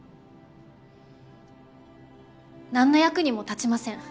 何の役にも立ちません。